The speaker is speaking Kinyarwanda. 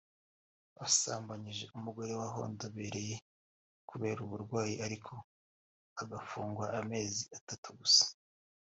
wasambanyije umugore wahondobereye kubera uburwayi ariko agafungwa amezi atatu gusa